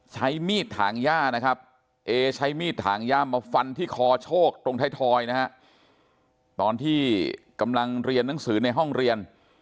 ใช้มีดถางย่านะครับเอใช้มีดถางย่ามาฟันที่คอโชคตรงไทยทอยนะฮะตอนที่กำลังเรียนหนังสือในห้องเรียน